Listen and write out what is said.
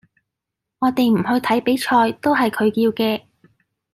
我哋唔去睇比賽，都係佢叫嘅